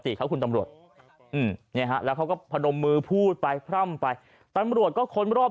ขวับกับน้องตำรวจแล้วก็พนมมือพูดไปไปตำรวจก็ค้นรอบ